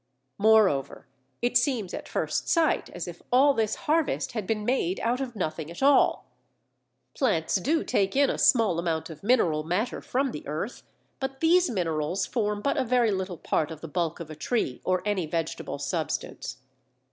Moreover, it seems at first sight as if all this harvest had been made out of nothing at all. Plants do take in a small amount of mineral matter from the earth, but these minerals form but a very little part of the bulk of a tree or any vegetable substance.